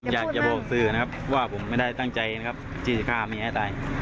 อยากจะบ่งสื่อนะครับว่าผมไม่ได้ตั้งใจนะครับจีดฆาดเมียไต้